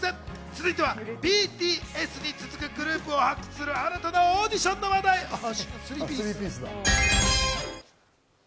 続いてはＢＴＳに続くグループを発掘する新たなオーディションの話題です。